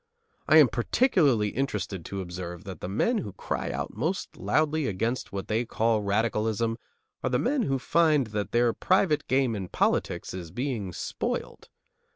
I am particularly interested to observe that the men who cry out most loudly against what they call radicalism are the men who find that their private game in politics is being spoiled.